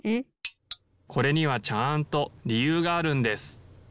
・これにはちゃんとりゆうがあるんです。